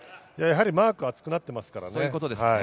マークが厚くなっていますからね。